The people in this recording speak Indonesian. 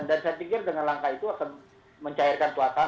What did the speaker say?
dan saya pikir dengan langkah itu akan mencairkan kekuatan